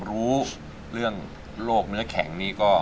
รู้ได้